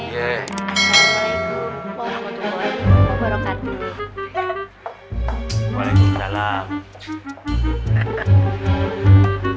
assalamualaikum warahmatullahi wabarakatuh